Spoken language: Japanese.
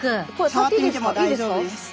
触ってみても大丈夫です。